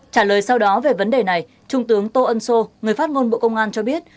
trả lời sau đó về vấn đề này trung tướng tô ân sô người phát ngôn bộ công an cho biết